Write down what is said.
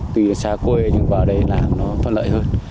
tuy là xa quê nhưng vào đây làm nó thoát lợi hơn